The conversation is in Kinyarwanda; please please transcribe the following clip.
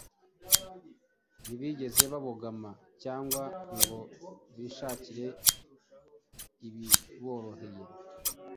ntibigeze babogama cyangwa ngo bishakire ibiboroheye